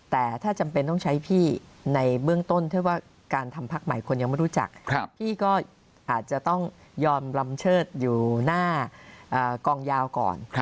แต่ถ้าจำเป็นต้องใช้พี่ในเบื้องต้นถ้าว่าการทำพักใหม่คนยังไม่รู้จักพี่ก็อาจจะต้องยอมลำเชิดอยู่หน้ากองยาวก่อน